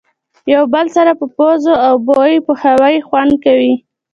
یو بل سره په پوزو او بوی پوهوي خوند کوي.